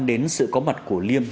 đến sự có mặt của liêm